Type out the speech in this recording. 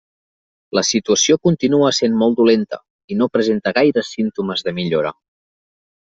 La situació continua essent molt dolenta i no presenta gaires símptomes de millora.